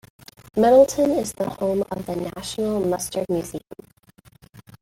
Middleton is the home of the National Mustard Museum.